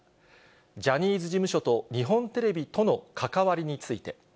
ジャニーズ事務所と日本テレビとの関わりについて。